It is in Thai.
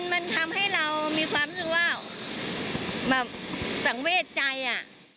มันทำให้เรามีความรู้สึกว่าแบบสังเวทใจอ่ะ